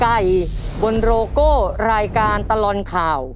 ไก่บนโรโก้รายการตลอดข่าว